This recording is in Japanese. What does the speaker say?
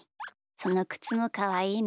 そのくつもかわいいな。